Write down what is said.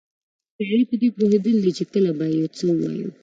هوښیاري پدې پوهېدل دي چې کله باید یو څه ووایو.